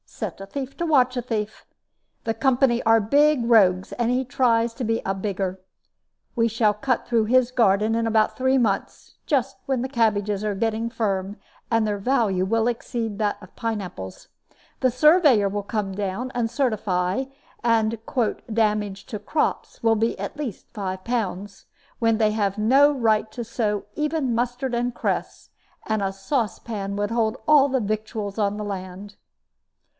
Set a thief to watch a thief. The company are big rogues, and he tries to be a bigger. We shall cut through his garden in about three months, just when his cabbages are getting firm, and their value will exceed that of pine apples. The surveyor will come down and certify, and the 'damage to crops' will be at least five pounds, when they have no right to sow even mustard and cress, and a saucepan would hold all the victuals on the land."